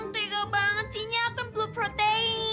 tiga banget sinyet kan belum protein